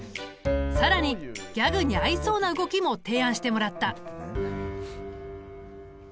更にギャグに合いそうな動きも提案してもらった。